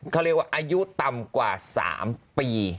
เขาเรียกว่าอายุต่ำกว่า๓ปี